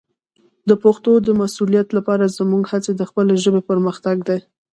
د پښتو د مسوولیت لپاره زموږ هڅې د خپلې ژبې پرمختګ دی.